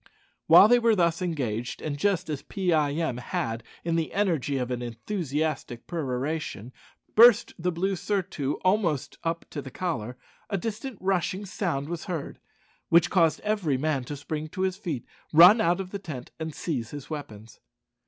While they were thus engaged, and just as Pee eye em had, in the energy of an enthusiastic peroration, burst the blue surtout almost up to the collar, a distant rushing sound was heard, which caused every man to spring to his feet, run out of the tent, and seize his weapons.